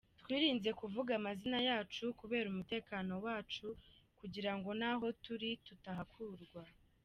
Twirinze kuvuga amazina yacu kubera umutekano wacu kugira ngo naho turi tutahakurwa.